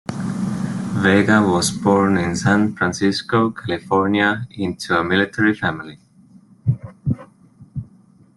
Vega was born in San Francisco, California into a military family.